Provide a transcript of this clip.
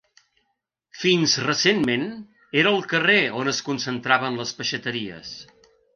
Fins recentment, era el carrer on es concentraven les peixateries.